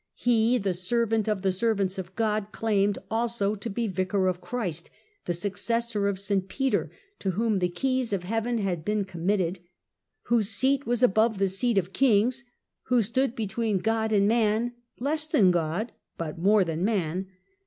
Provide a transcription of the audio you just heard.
He, "the servant of the servants of God," claimed also to be the Vicar of Christ, the successor of St Peter, to whom the keys of heaven had been committed, whose seat was above the seat of kings, who stood between God and man, " less than God, but more than man."